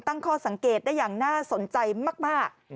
ตั้งข้อสังเกตได้อย่างน่าสนใจมาก